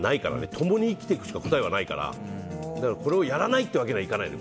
共に生きていくしか答えはないからこれをやらないということにはいかないのよ。